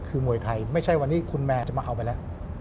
คือมวยไทยไม่ใช่วันนี้คุณแมร์จะมาเอาไปแล้ว